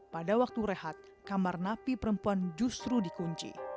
pada waktu rehat kamar napi perempuan justru dikunci